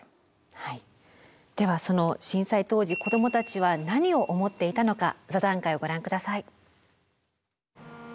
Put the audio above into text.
ではその震災当時子どもたちは何を思っていたのか座談会をご覧下さい。